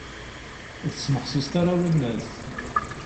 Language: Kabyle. Ur tesmeḥsiseḍ ara, a winnat!